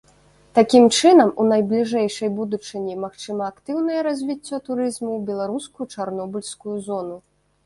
Такім чынам, у найбліжэйшай будучыні магчыма актыўнае развіццё турызму ў беларускую чарнобыльскую зону.